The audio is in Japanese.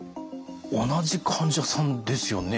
同じ患者さんですよね。